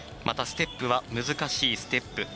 またステップは難しいステップ。